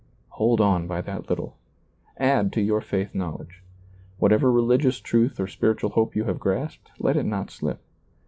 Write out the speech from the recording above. Hold on by that little. Add to your faith knowledge. Whatever religious truth or spiritual hope you have grasped, let it not slip.